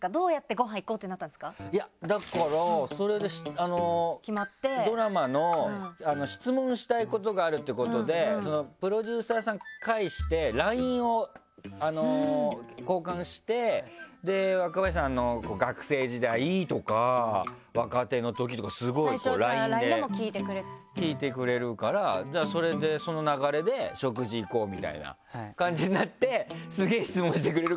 いやだからそれでドラマの質問したいことがあるっていうことでプロデューサーさん介してＬＩＮＥを交換して若林さんの学生時代とか若手のときとかスゴいＬＩＮＥで聞いてくれるからそれでその流れで食事行こうみたいな感じになって。